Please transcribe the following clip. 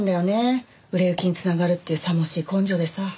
売れ行きに繋がるっていうさもしい根性でさ。